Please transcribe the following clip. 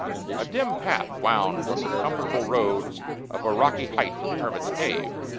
A dim path wound from the comfortable road up a rocky height to the hermit's cave.